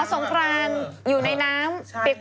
อ่ะสองกรานอยู่ในน้ำเปี๊ยก